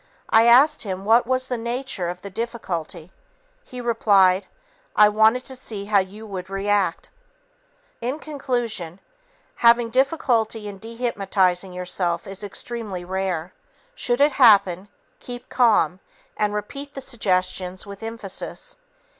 I asked him what was the nature of the difficulty. He replied, "I wanted to see how you would react." In conclusion, having difficulty in dehypnotizing yourself is extremely rare. Should it happen, keep calm, and repeat the suggestions with emphasis.